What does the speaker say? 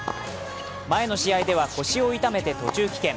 前の試合では腰を痛めて途中棄権。